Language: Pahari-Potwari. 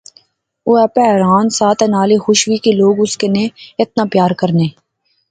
او آپے حیران سا تہ نالے خوش وی کہ لوک اس کنے اتنا پیار کرنے